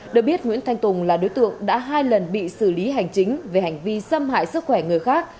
được biết nguyễn thanh tùng là đối tượng đã hai lần bị xử lý hành chính về hành vi xâm hại sức khỏe người khác